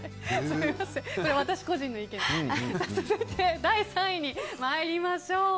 続いて、第３位に参りましょう。